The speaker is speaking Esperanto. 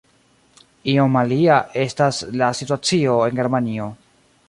Iom alia estas la situacio en Germanio.